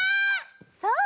そう！